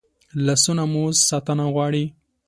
لاسونه مو ساتنه غواړي